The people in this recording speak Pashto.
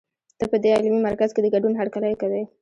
ته په دې علمي مرکز کې د ګډون هرکلی کوي.